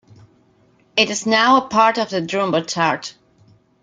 It is now part of the Drumbo Charge.